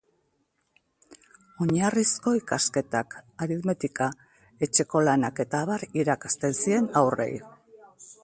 Oinarrizko ikasketak, aritmetika, etxeko lanak eta abar irakasten zien haurrei.